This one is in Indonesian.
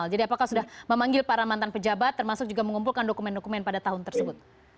jadi apakah sudah memanggil para mantan pejabat termasuk juga mengumpulkan dokumen dokumen pada tahun tersebut